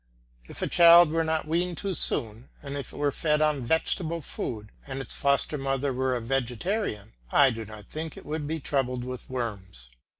If a child were not weaned too soon, and if it were fed on vegetarian food, and its foster mother were a vegetarian, I do not think it would be troubled with worms.